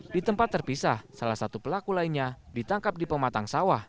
di tempat terpisah salah satu pelaku lainnya ditangkap di pematang sawah